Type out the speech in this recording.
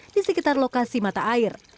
di sekitar lokasi mata air